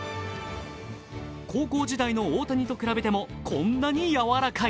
高校時代の大谷と比べてもこんなにやわらかい。